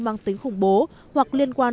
mang tính khủng bố hoặc liên quan